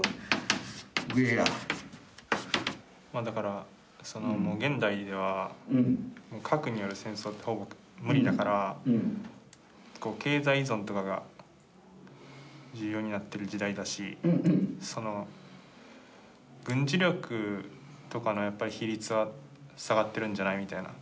まあだからその現代では経済依存とかが重要になってる時代だしその軍事力とかのやっぱり比率は下がってるんじゃないみたいな。